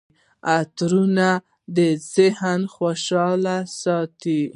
عطرونه د ذهن خوشحاله ساتي.